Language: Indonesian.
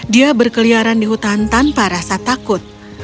dia berkeliaran di hutan tanpa rasa takut